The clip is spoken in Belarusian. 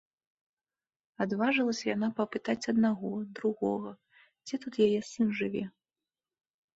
Адважылася яна папытацца аднаго, другога, дзе тут яе сын жыве?